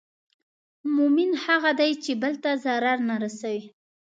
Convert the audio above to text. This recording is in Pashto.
مؤمن هغه دی چې بل ته ضرر نه رسوي.